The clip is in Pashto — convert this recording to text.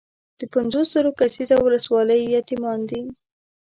د پنځوس زره کسیزه ولسوالۍ یتیمان دي.